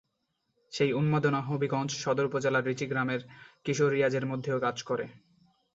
সেই উন্মাদনা হবিগঞ্জ সদর উপজেলার রিচি গ্রামের কিশোর রিয়াজের মধ্যেও কাজ করে।